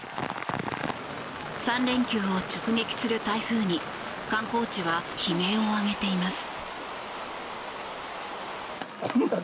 ３連休を直撃する台風に観光地は悲鳴を上げています。